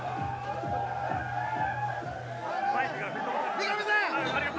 三上さん！